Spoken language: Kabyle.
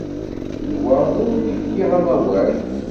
D wa umi fkiɣ amawal.